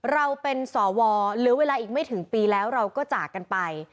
เราเป็นสวเหลือเวลาอีกไม่ถึงปีแล้วเราก็จากกันไป